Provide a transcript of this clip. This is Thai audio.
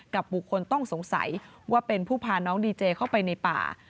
บุคคลต้องสงสัยว่าเป็นผู้พาน้องดีเจเข้าไปในป่า